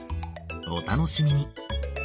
お楽しみに。